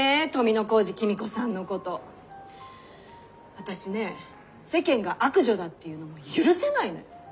私ね世間が悪女だって言うの許せないのよ。